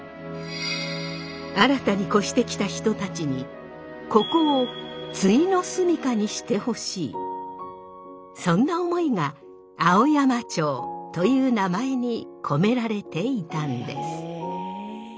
新たに越してきた人たちにここをそんな思いが「青山町」という名前に込められていたんです。